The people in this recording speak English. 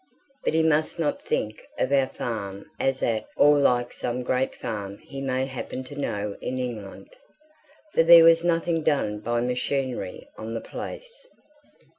But he must not think of our farm as at all like some great farm he may happen to know in England; for there was nothing done by machinery on the place.